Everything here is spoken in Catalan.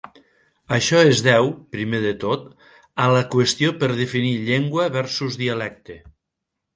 Això es deu, primer de tot, a la qüestió per definir "llengua" versus "dialecte".